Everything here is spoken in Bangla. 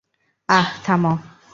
আঃ– থামো।